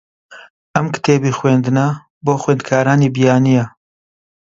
ئەم کتێبی خوێندنە بۆ خوێندکارانی بیانییە.